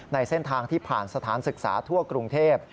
ในเส้นทางที่ผ่านสถานศึกษาทั่วกรุงเทพ